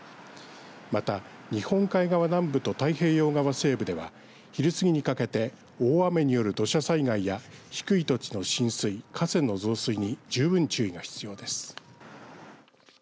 また日本海側南部と日本海側南部と太平洋側西部では昼過ぎにかけて大雨による土砂災害や低い土地の浸水河川の増水に十分注意が必要です。